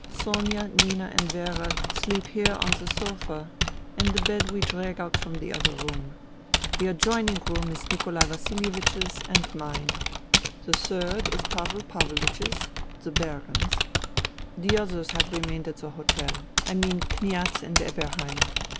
Sonia, Nina and Vera sleep here on the sofa and the bed we drag out from the other room. The adjoining room is Nikolai Vasilievich's and mine. The third is Pav'l Pavlch's, the Baron's. The others have remained at the hotel — I mean Kniaz and Eberheim.